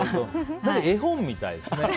絵本みたいですね。